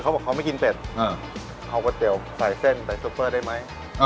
เขาบอกเขาไม่กินเป็ดเอาก๋วยเตี๋ยวใส่เส้นใส่ซุปเปอร์ได้ไหม